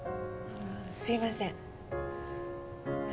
すいませんいや